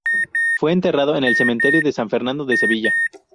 Fue enterrado en el cementerio de San Fernando de Sevilla.